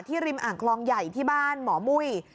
ริมอ่างคลองใหญ่ที่บ้านหมอมุ้ย